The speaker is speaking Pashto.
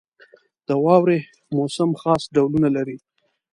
• د واورې موسم خاص ډولونه لري.